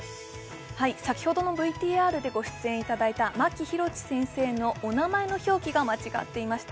先ほどのＶＴＲでご出演していただいたマキヒロチ先生のお名前の表記が間違っていました。